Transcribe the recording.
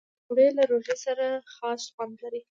پکورې له روژې سره خاص خوند لري